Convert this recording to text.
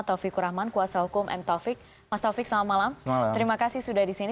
terima kasih sudah di sini